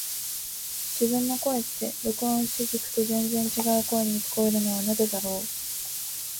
自分の声って、録音して聞くと全然違う声に聞こえるのはなぜだろう。